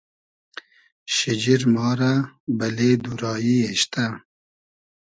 شیجیر ما رۂ بئلې دو رایی اېشتۂ